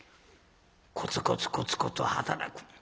コツコツコツコツ働く。